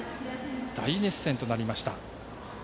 大熱戦となりました。